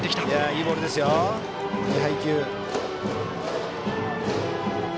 いい配球。